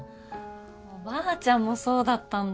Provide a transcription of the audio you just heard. おばあちゃんもそうだったんだ。